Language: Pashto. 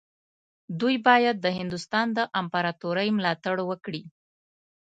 دوی باید د هندوستان د امپراطورۍ ملاتړ وکړي.